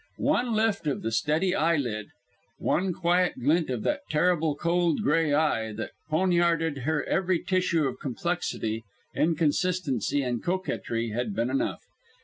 One lift of the steady eyelid, one quiet glint of that terrible cold gray eye, that poniarded her every tissue of complexity, inconsistency, and coquetry, had been enough.